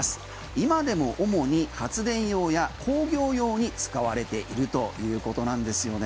今でも主に発電用や工業用に使われているということなんですよね。